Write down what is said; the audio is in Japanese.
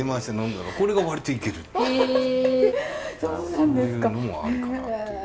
そういうのもあるかなという。